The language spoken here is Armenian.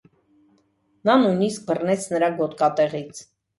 Նա նույնիսկ բռնեց նրա գոտկատեղից։